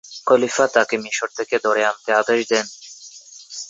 খলিফা তাঁকে মিসর থেকে ধরে আনতে আদেশ দেন।